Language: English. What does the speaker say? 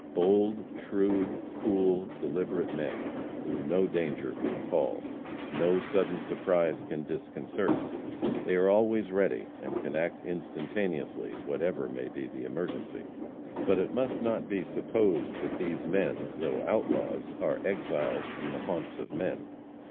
Bold, shrewd, cool, deliberate men, whom no danger can appall; no sudden surprise can disconcert. They are always ready, and can act instantaneously whatever may be the emergency. But it must not be supposed that these men, though outlaws, are exiles from the haunts of men.